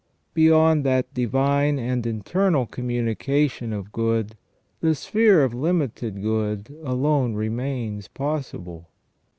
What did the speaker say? Beyond that divine and internal communication of good, the sphere of limited good alone remains possible.